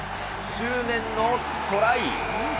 執念のトライ。